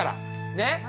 ねっ？